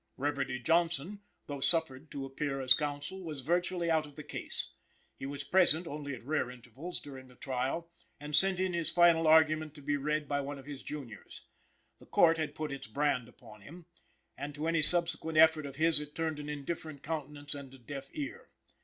Reverdy Johnson, though suffered to appear as counsel, was virtually out of the case. He was present only at rare intervals during the trial, and sent in his final argument to be read by one of his juniors. The Court had put its brand upon him, and to any subsequent effort of his it turned an indifferent countenance and a deaf ear.